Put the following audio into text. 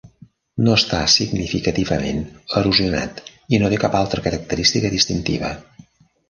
No està significativament erosionat i no té cap altra característica distintiva.